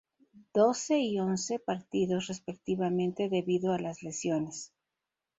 Doce y once partidos respectivamente, debido a las lesiones.